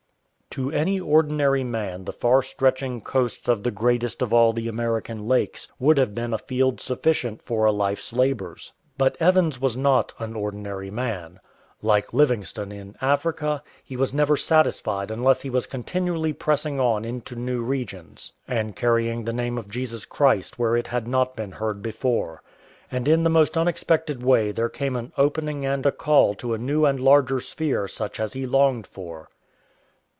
To any ordinary man the far stretching coasts of the greatest of all the American Jakes w^ould have been a field sufficient for a life's labours. But Evans was not an ordinary man. Inke Livingstone in Africa, he was never satisfied unless he was continually pressing on into new regions, and carrying the name of Jesus Christ where it had not been heard before. And in the most unexpected way there came an opening and a call to a new and larger sphere such as he longed for.